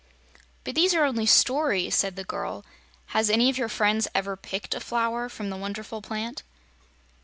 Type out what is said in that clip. "But these are only stories," said the girl. "Has any of your friends ever picked a flower from the wonderful plant?"